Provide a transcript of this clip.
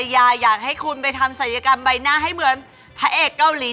แม่คะคือเราเป็นตาร์ไล่